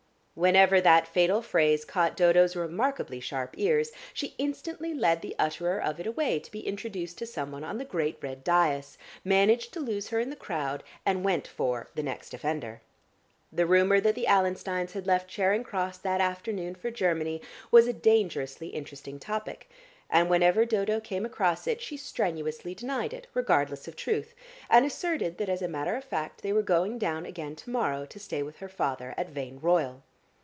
Whenever that fatal phrase caught Dodo's remarkably sharp ears, she instantly led the utterer of it away to be introduced to someone on the great red dais, managed to lose her in the crowd, and "went for" the next offender. The rumour that the Allensteins had left Charing Cross that afternoon for Germany was a dangerously interesting topic, and whenever Dodo came across it, she strenuously denied it, regardless of truth, and asserted that as a matter of fact they were going down again to morrow to stay with her father at Vane Royal.